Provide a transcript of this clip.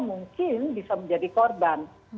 mungkin bisa menjadi korban